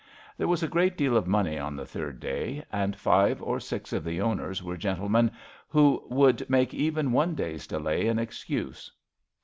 There was a great deal of money on the third day, and five or six of the owners were gentlemen who would make even one day^s delay an excuse.